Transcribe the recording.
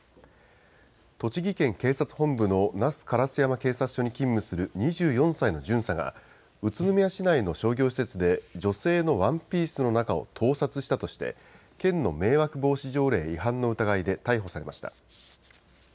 栃木県警察本部の那須烏山警察署に勤務する２４歳の巡査が、宇都宮市内の商業施設で女性のワンピースの中を盗撮したとして、県の迷惑防止条例違反の疑いで逮捕されました。